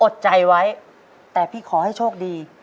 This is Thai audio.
อดใจไว้แต่พี่ขอให้โชคดี